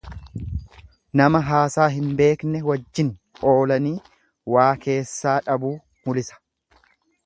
Nama haasaa hin beekne wajjin oolanii waa keessaa dhabuu mulisa.